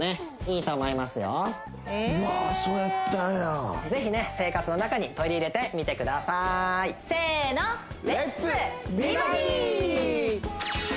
まあそうやったんやぜひね生活の中に取り入れてみてくださーいせーのレッツ！